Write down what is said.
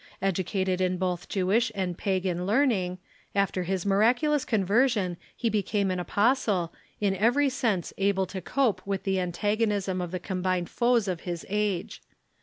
Educated in both JcAvish and pagan learning, after his miraculous conver sion he became an apostle, in every sense able to cope with the antagonism of the combined foes of his age.